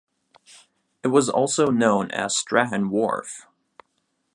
It was also known as Strahan Wharf.